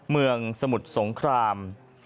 เมืองสมุทรสงคราม